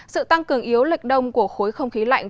sự tăng cường yếu lệch đông của khối không khí lạnh